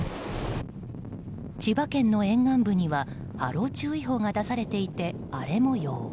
千葉県の沿岸部には波浪注意報が出されていて荒れ模様。